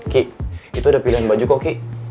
ki itu udah pilihan baju kok ki